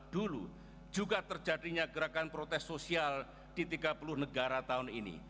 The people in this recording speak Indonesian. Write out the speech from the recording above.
dulu juga terjadinya gerakan protes sosial di tiga puluh negara tahun ini